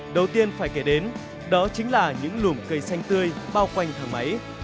đầu tiên phải kể đến đó chính là những lùm cây xanh tươi bao quanh thang máy